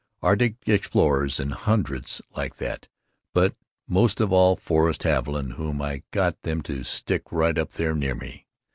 arctic explorers and hundreds like that, but most of all Forrest Haviland whom I got them to stick right up near me.